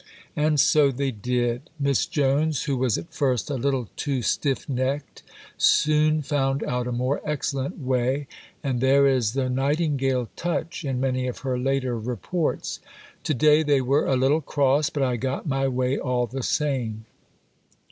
And so they did. Miss Jones, who was at first a little too stiff necked, soon found out a more excellent way, and there is "the Nightingale touch" in many of her later reports. "To day they were a little cross, but I got my way all the same."